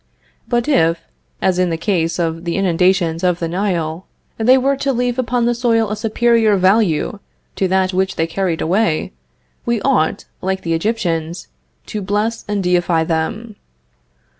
But if, as is the case in the inundations of the Nile, they were to leave upon the soil a superior value to that which they carried away, we ought, like the Egyptians, to bless and deify them.